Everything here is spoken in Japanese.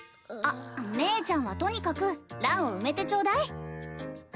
あっ鳴ちゃんはとにかく欄を埋めてちょうだい。